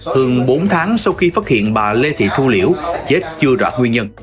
hường bốn tháng sau khi phát hiện bà lê thị thu liễu chết chưa đoạt nguyên nhân